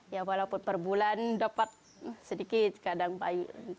ya walaupun per bulan dapat sedikit kadang payung